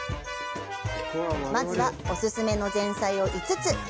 まずは、お勧めの前菜を５つ。